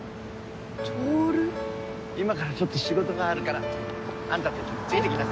今からちょっと仕事があるからあんたたちもついてきなさい。